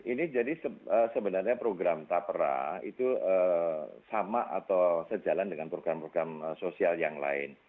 ini jadi sebenarnya program tapera itu sama atau sejalan dengan program program sosial yang lain